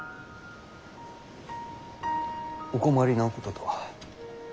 お困りなこととは？